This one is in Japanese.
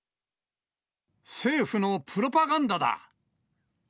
政府のプロパガンダだ。